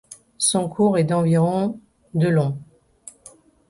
Son cours est d'environ de long.